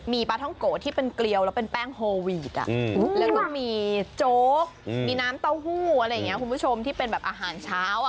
มีปลาท่องโกะที่เป็นเกลียวแล้วเป็นแป้งโฮวีดแล้วก็มีโจ๊กมีน้ำเต้าหู้อะไรอย่างนี้คุณผู้ชมที่เป็นแบบอาหารเช้า